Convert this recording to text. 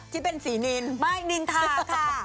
ชอปนิ้นค่ะ